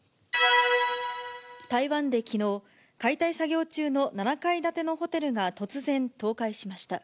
台湾できのう、解体作業中の７階建てのホテルが突然倒壊しました。